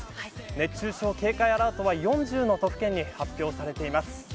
熱中症警戒アラートは４０の都府県に発表されています。